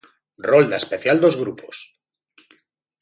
Rolda especial dos grupos.